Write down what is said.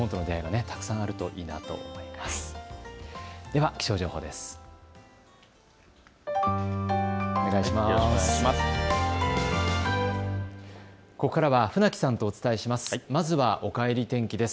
ここからは船木さんとお伝えします。